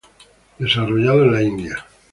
Desarrollado en la India.